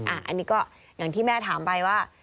อันนี้ก็อย่างที่แม่ถามไปว่า